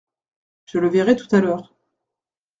Je le verrai tout à l’heure.